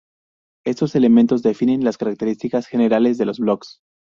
Estos elementos definen las características generales de los blogs.